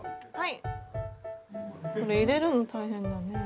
これ入れるの大変だね。